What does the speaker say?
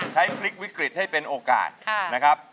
ใช้พลิกวิกฤตให้เป็นโอกาสนะครับ